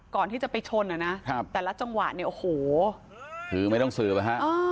ก่อนที่จะไปชนอ่ะนะแต่ละจังหวะเนี่ยโอ้โหคือไม่ต้องสืบนะฮะ